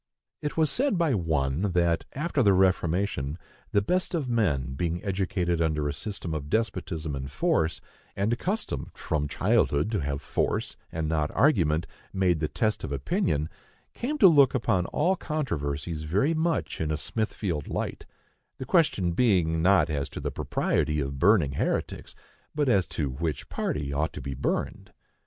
It was said by one that, after the Reformation, the best of men, being educated under a system of despotism and force, and accustomed from childhood to have force, and not argument, made the test of opinion, came to look upon all controversies very much in a Smithfield light,—the question being not as to the propriety of burning heretics, but as to which party ought to be burned.